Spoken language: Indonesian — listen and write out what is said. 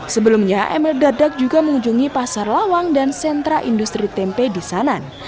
sebelumnya emil dardak juga mengunjungi pasar lawang dan sentra industri tempe di sanan